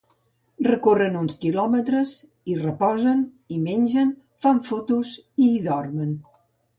Recorren uns quilòmetres, hi reposen, hi mengen, fan fotos i hi dormen.